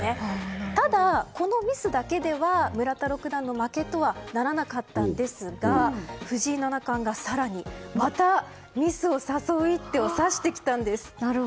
ただ、このミスだけでは村田六段の負けとはならなかったんですが藤井七冠が、更にまた、ミスを誘う一手を指してきたんです。